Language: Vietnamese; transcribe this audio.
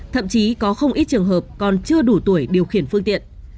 thậm chí có không ít trường hợp còn chưa đủ tuổi điều khiển phương tiện